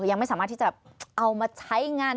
ยังไม่สามารถที่จะเอามาใช้งาน